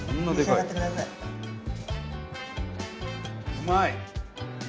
うまい！